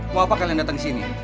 mau apa kalian datang ke sini